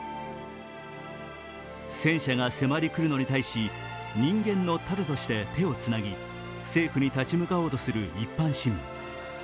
戦車が迫り来るのに対し、人間の盾として手をつなぎ政府に立ち向かおうとする一般市民。